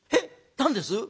何です？」。